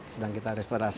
sedang kita restorasi